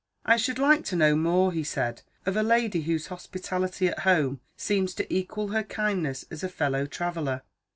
"I should like to know more," he said, "of a lady whose hospitality at home seems to equal her kindness as a fellow traveller.